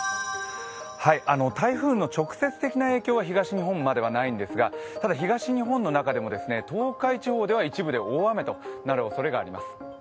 台風の直接的な影響は東日本にまではないんですがただ東日本の中でも東海地方では一部で大雨となるおそれがあります。